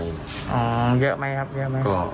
อ๋อเยอะไหมครับ